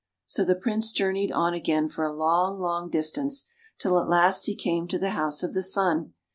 So the Prince journeyed on again for a long, long distance, till at last he came to the house of the Sun.